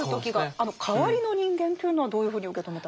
あの「代わりの人間」というのはどういうふうに受け止めたら？